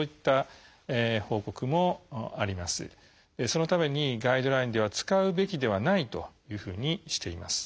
そのためにガイドラインでは「使うべきではない」というふうにしています。